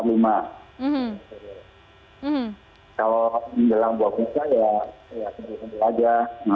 kalau di dalam buah pesta ya ya kemudian kembali aja